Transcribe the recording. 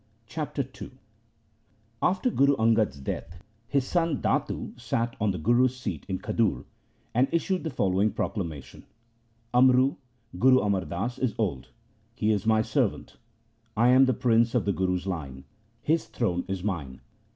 Chapter II After Guru Angad's death, his son Datu sat on the Guru's seat in Khadur, and issued the following proclamation :' Amru (Guru Amar Das) is old. He is my servant. I am prince of the Guru's line. His throne is mine.'